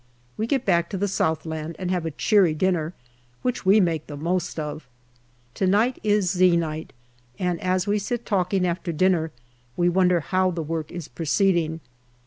We get back to the Southland and have a cheery dinner, which we make the most of. To night is " Z " night, and as we sit talking after dinner we wonder how the work is proceed ing.